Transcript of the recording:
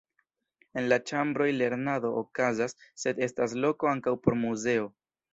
En la ĉambroj lernado okazas, sed estas loko ankaŭ por muzeo.